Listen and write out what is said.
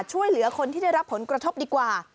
ช่วยเหลือคนที่ได้รับผลกระทบดีกว่า